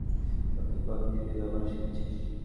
আমাকে কয়েদিদের ব্যাপারে শেখাচ্ছিস?